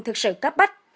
thực sự cấp bách